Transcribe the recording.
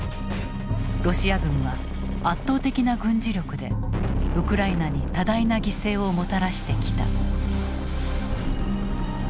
ロシア軍は圧倒的な軍事力でウクライナに多大な犠牲をもたらしてきた。